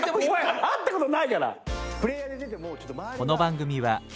会ったことないから。